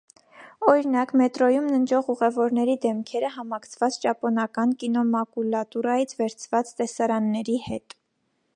Օրինակ, մետրոյում ննջող ուղևորների դեմքերը համակցված ճապոնական կինոմակուլատուրայից վերցված տեսարանների հետ։